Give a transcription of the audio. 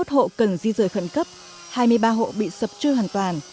bốn mươi một hộ cần di rời khẩn cấp hai mươi ba hộ bị sập trôi hoàn toàn